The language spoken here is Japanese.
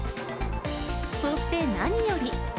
そして何より。